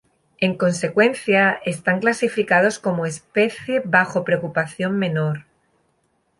En consecuencia, están clasificados como "especie bajo preocupación menor".